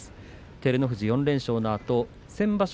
照ノ富士４連勝のあと先場所